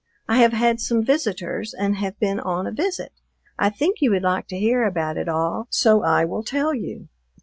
I have had some visitors and have been on a visit; I think you would like to hear about it all, so I will tell you.